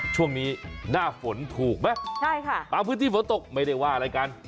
ช่วงนี้หน้าฝนถูกไหมใช่ค่ะบางพื้นที่ฝนตกไม่ได้ว่าอะไรกัน